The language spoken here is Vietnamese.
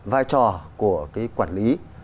vai trò của cái quản lý